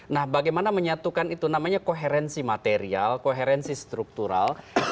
nah bagaimana menyatukan itu namanya koherensi material koherensi struktural